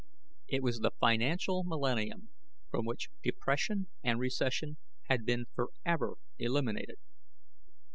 It was the financial millennium, from which depression and recession had been forever eliminated.